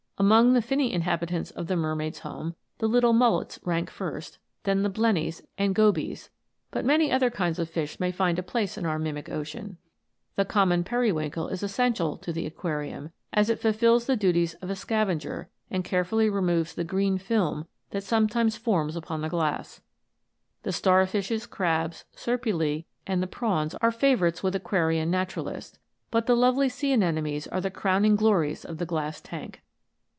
Among the finny inhabitants of the mer maid's home the little mullets rank first, then the blennies and gobies, but many other kinds of fish may find a place in our mimic ocean. The common periwinkle is essential to the aquarium, as it fulfils the duties of a scavenger, and carefully removes the ANIMATED FLOWERS. 139 green film that sometimes forms upon the glass. The star fishes, crabs, serpulse, and the prawns are favourites with aquarian naturalists ; but the lovely sea anemones are the crowning glories of the glass tank.